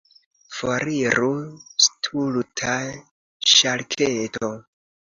Foriru, stulta ŝarketo!